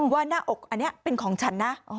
หน้าอกอันนี้เป็นของฉันนะ